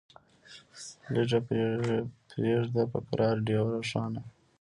لیږه پریږده په قرار ډېوه روښانه